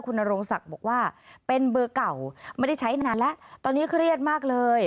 คุณนโรงศักดิ์บอกว่าเป็นเบอร์เก่าไม่ได้ใช้นานแล้วตอนนี้เครียดมากเลย